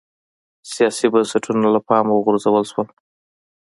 سیاسي بنسټونه له پامه وغورځول شول